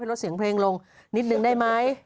ลดเสียงเพลงลงนิดนึงได้ไหม